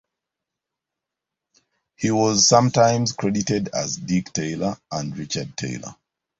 He was sometimes credited as Dick Taylor and Richard Taylor.